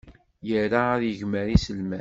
Ira ad yegmer iselman.